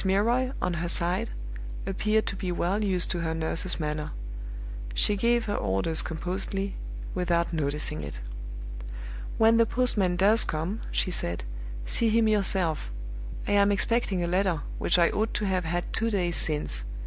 Milroy, on her side, appeared to be well used to her nurses manner; she gave her orders composedly, without noticing it. "When the postman does come," she said, "see him yourself. I am expecting a letter which I ought to have had two days since.